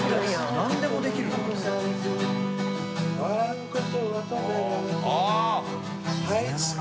何でもできるな。））